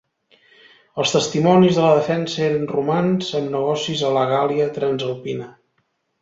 Els testimonis de la defensa eren romans amb negocis a la Gàl·lia Transalpina.